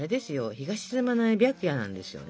日が沈まない白夜なんですよね。